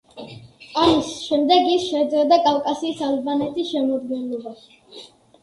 ამის შემდეგ ის შედიოდა კავკასიის ალბანეთის შემადგენლობაში.